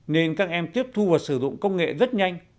nên các em tiếp thu và sử dụng công nghệ rất nhanh